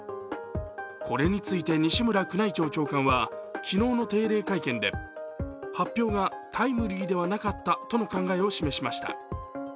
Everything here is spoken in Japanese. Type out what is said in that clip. これについて西村宮内庁長官は昨日の定例会見で発表がタイムリーではなかったとの考えを示しました。